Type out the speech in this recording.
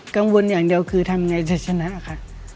กังวลอย่างเดียวคือทำไงจะชนะคะ